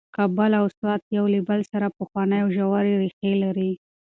کابل او سوات یو له بل سره پخوانۍ او ژورې ریښې لري.